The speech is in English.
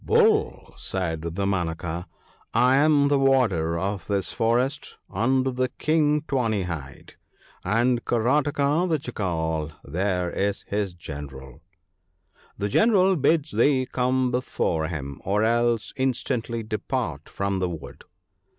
' Bull, 1 said Damanaka, ' I am the warder of this forest under the King Tawny hide, and Karataka the Jackal there is his General. The General bids thee come before him, or else instantly depart from the wood.